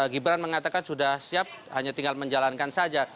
gibran mengatakan sudah siap hanya tinggal menjalankan saja